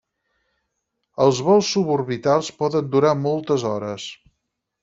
Els vols suborbitals poden durar moltes hores.